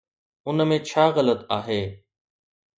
ان ۾ ڇا غلط آهي؟